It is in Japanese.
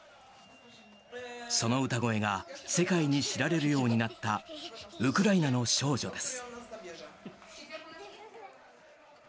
その歌声が世界に知られるようになったウクライナの少女です。